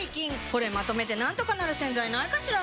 これまとめてなんとかなる洗剤ないかしら？